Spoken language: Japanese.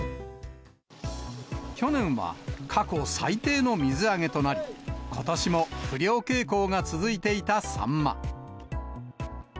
去年は過去最低の水揚げとなり、ことしも不漁傾向が続いていたサンマ。